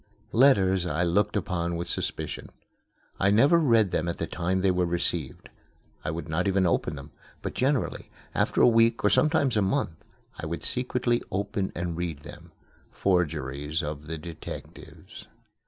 Letters I looked upon with suspicion. I never read them at the time they were received. I would not even open them; but generally, after a week or sometimes a month, I would secretly open and read them forgeries of the detectives.